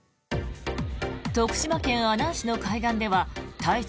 徳島県阿南市の海岸では体長